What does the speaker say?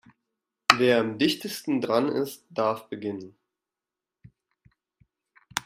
Wer am dichtesten dran ist, darf beginnen.